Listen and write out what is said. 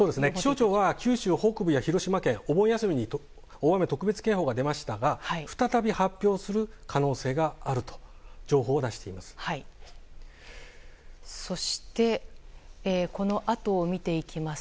きっかけは九州北部や広島県お盆休みに大雨特別警報が出ましたが再び発表する可能性があるという情報を出しています。